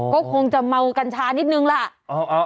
ก็คงจะเมากัญชานิดนึงล่ะ